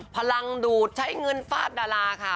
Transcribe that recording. พลังดูดใช้เงินฟาดดาราค่ะ